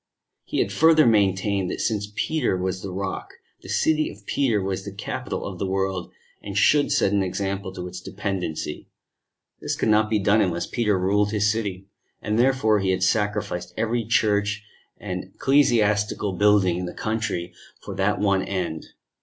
He had further maintained that since Peter was the Rock, the City of Peter was the Capital of the world, and should set an example to its dependency: this could not be done unless Peter ruled his City, and therefore he had sacrificed every church and ecclesiastical building in the country for that one end.